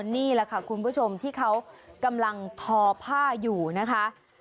นี่แหละค่ะคุณผู้ชมที่เขากำลังทอผ้าอยู่นะคะ